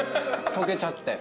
とけちゃって。